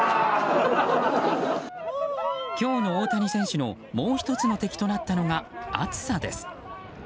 今日の大谷選手のもう１つの敵となったのが暑さです。